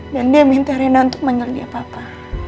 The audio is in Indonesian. dan dia minta reina untuk manggil dia papa